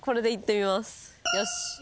よし。